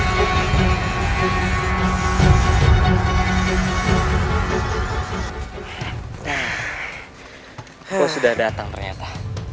kau sudah datang ternyata